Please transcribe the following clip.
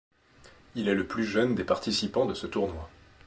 Il est le plus jeune des participants de ce tournoi.